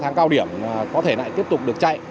tháng cao điểm có thể lại tiếp tục được chạy